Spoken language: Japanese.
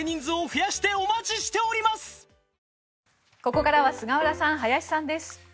ここからは菅原さん、林さんです。